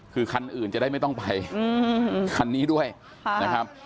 คือคันอื่นจะได้ไม่ต้องไปคันนี้ด้วยนะครับ